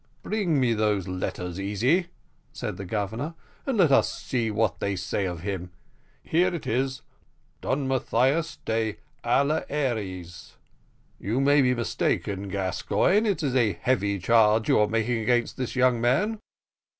"Bring me those letters, Easy," said the Governor, "and let us see what they say of him. Here it is Don Mathias de Alayeres. You may be mistaken, Gascoigne; it's a heavy charge you are making against this young man."